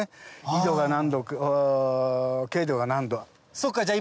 そっかじゃあ